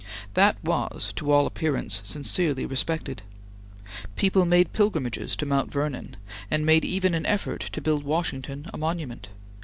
That was to all appearance sincerely respected. People made pilgrimages to Mount Vernon and made even an effort to build Washington a monument.